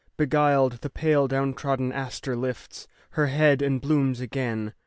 Beguiled, the pale down trodden aster lifts Her head and blooms again.